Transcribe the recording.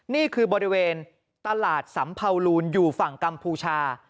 นี่คือบริเวณตลาดสำเภาลูนอยู่ฝั่งกัมพูชา